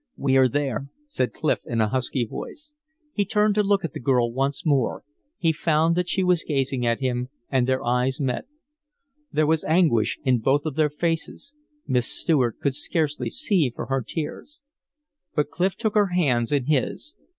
"We are there," said Clif, in a husky voice. He turned to look at the girl once more; he found that she was gazing at him, and their eyes met. There was anguish in both of their faces; Miss Stuart could scarcely see for her tears. But Clif took her hands in his.